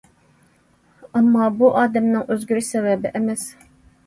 ئەمما بۇ ئادەمنىڭ ئۆزگىرىش سەۋەبى ئەمەس.